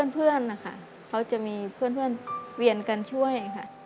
เพื่อนนะคะเขาจะมีเพื่อนเวียนกันช่วยค่ะ